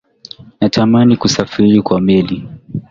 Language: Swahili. Natamani kusafiri kwa meli